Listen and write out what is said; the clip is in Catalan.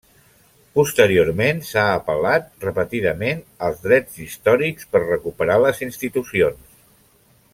Posteriorment s'ha apel·lat repetidament als drets històrics per recuperar les institucions.